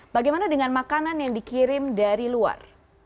bagaimana dengan makanan yang dikirim dari luar